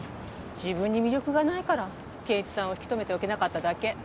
自分に魅力がないから圭一さんを引き留めておけなかっただけ。